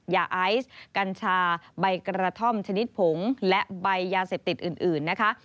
ยาไอซ์กัญชาใบกระท่อมชนิดผงและใบยาเสพติดอื่นนะคะ